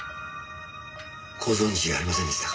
ご存じありませんでしたか？